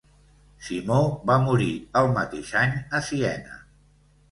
Simó va morir al mateix any a Siena.